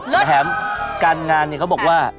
ประถ้ามการงานเนี่ยเขาบอกว่า